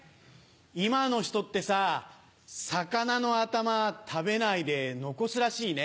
今の人ってさ魚の頭食べないで残すらしいね。